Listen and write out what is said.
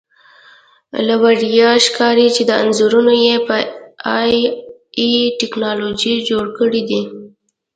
له ورایه ښکاري چې دا انځورونه یې په اې ائ ټکنالوژي جوړ کړي دي